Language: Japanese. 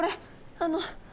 あの。